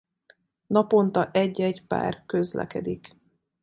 Naponta egy-egy pár közlekedik.